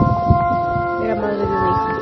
Era madre de un hijo.